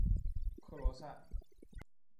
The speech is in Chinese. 克罗塞。